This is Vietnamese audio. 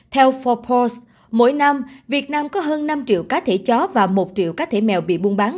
theo forbos mỗi năm việt nam có hơn năm triệu cá thể chó và một triệu cá thể mèo bị buôn bán